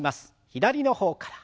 左の方から。